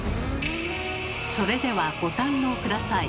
それではご堪能下さい。